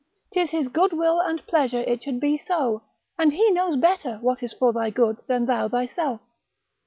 'Tis his goodwill and pleasure it should be so, and he knows better what is for thy good than thou thyself.